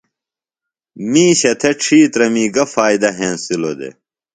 مِیشہ تھےۡ ڇِھیترمی گہ فائدہ ہنسِلوۡ دےۡ؟